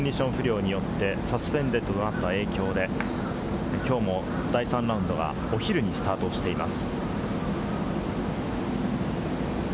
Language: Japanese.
コンディション不良によって、サスペンデッドとなった影響で、きょうも第３ラウンドはお昼にスタートしています。